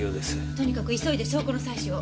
とにかく急いで証拠の採取を。